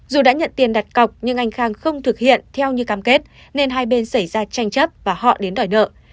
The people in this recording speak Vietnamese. dù đã nhận tiền đặt cọc nhưng anh khang không thực hiện theo như cam kết nên hai bên xảy ra tranh chấp và họ đến đòi nợ